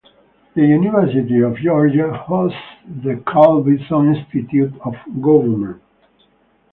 The University of Georgia hosts the Carl Vinson Institute of Government.